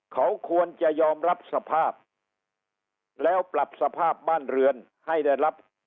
เขาควรจะยอมรับสภาพแล้วปรับสภาพบ้านเรือนให้ได้รับ